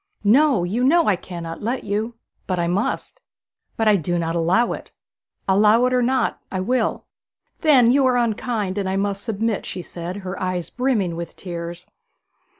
'No; you know I cannot let you.' 'But I must.' 'But I do not allow it.' 'Allow it or not, I will.' 'Then you are unkind, and I must submit,' she said, her eyes brimming with tears.